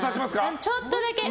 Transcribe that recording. ちょっとだけ。